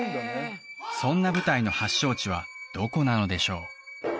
そんな舞台の発祥地はどこなのでしょう？